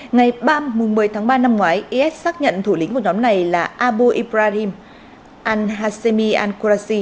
ngày ba một mươi ba năm ngoái yết xác nhận thủ lĩnh của nhóm này là abu ibrahim al hasemi al qurasi